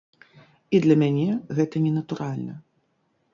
І для мяне гэта ненатуральна.